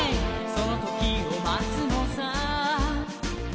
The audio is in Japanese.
「そのときをまつのさ」